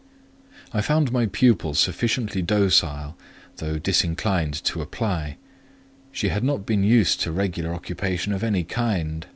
I found my pupil sufficiently docile, though disinclined to apply: she had not been used to regular occupation of any kind.